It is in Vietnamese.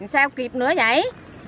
sao kịp nữa vậy